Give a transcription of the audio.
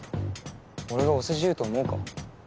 俺がお世辞言うと思うか？